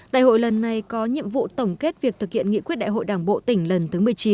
đại hội lần này có nhiệm vụ tổng kết việc thực hiện nghị quyết đại hội đảng bộ tỉnh lần thứ một mươi chín